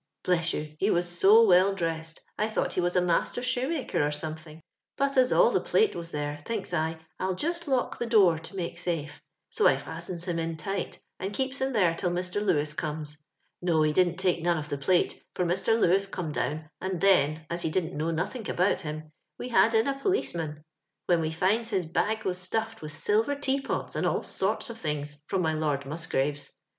Bbss yon I he was so wdl dressed, I thought he was a master shoemaker or something; hot as all the plate was there, thinks I, 111 just lock the door to make safe. So I ftstens him in tighti and kee^ him there tQl Mr. Lewis comes. No, he didn't take none of the plate, for Mr. Lewis oome down, and then, as he didnt know nothink about him, we had in a pdioeman, when we finds his bag was staffed with silver tea pots and all sorts of things from my Lord Musgrave's.